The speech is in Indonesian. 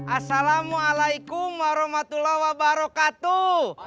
assalamualaikum warahmatullahi wabarakatuh